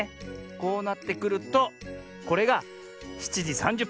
こうなってくるとこれが７じ３０ぷん。